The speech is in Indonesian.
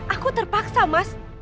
aku terpaksa mas